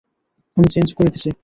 আমি চেঞ্জ করে দিসি!